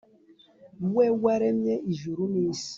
We waremye ijuru n ‘isi.